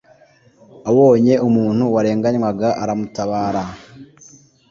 abonye umuntu warenganywaga aramutabara